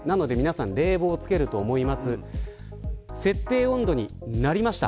設定温度になりました。